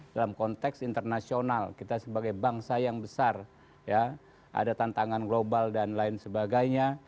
dalam konteks internasional kita sebagai bangsa yang besar ada tantangan global dan lain sebagainya